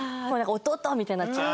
弟！みたいになっちゃう。